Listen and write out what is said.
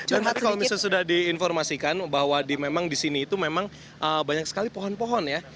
dan kalau misalnya sudah diinformasikan bahwa memang di sini itu memang banyak sekali pohon pohon ya